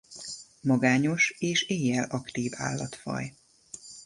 Magányos és éjjel aktív állatfaj.